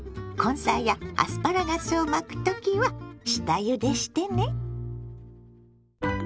根菜やアスパラガスを巻く時は下ゆでしてね。